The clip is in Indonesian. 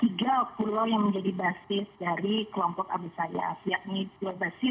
tiga pulau yang menjadi basis dari kelompok abu sayyaf yakni pulau basilan pulau jolo suluru dan tali tali